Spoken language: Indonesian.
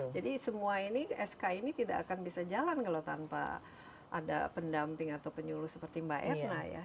jadi semua ini sk ini tidak akan bisa jalan kalau tanpa ada pendamping atau penyuluh seperti mbak erna ya